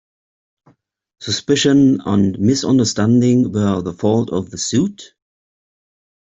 Suspicion and misunderstanding were the fault of the suit?